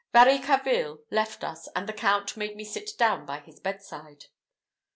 Varicarville left us, and the Count made me sit down by his bedside.